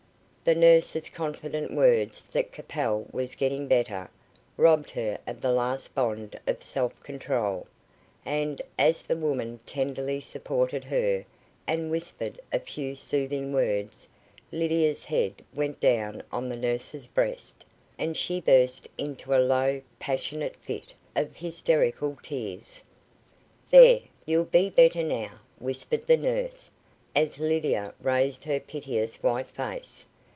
The nurse's confident words that Capel was getting better, robbed her of the last bond of self control, and, as the woman tenderly supported her, and whispered a few soothing words, Lydia's head went down on the nurse's breast, and she burst into a low, passionate fit of hysterical tears. "There, you'll be better now," whispered the nurse, as Lydia raised her piteous white face.